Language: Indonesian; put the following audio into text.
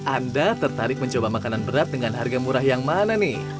anda tertarik mencoba makanan berat dengan harga murah yang mana nih